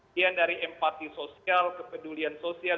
ini yang dari empati sosial kepedulian sosial